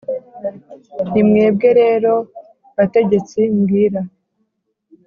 Ni mwebwe rero, bategetsi, mbwira,